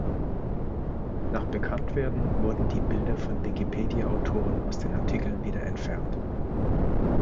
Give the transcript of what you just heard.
Nach Bekanntwerden wurden die Bilder von Wikipedia-Autoren aus den Artikeln wieder entfernt.